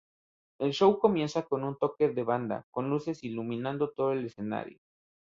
El show comienza con un toque de banda, con luces iluminando todo el escenario.